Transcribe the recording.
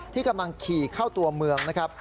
ที่กำลังขี่เข้าตัวเมืองนะครับ